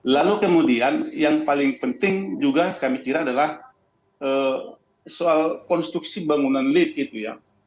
lalu kemudian yang paling penting juga kami kira adalah soal konstruksi bangunan lift itu ya